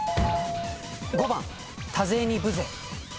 ５番多勢に無勢。